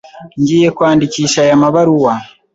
Ngiye kwandikisha aya mabaruwa.